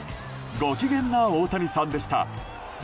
ご機嫌な大谷さんでした。